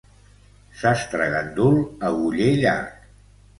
Sastre gandul, aguller llarg.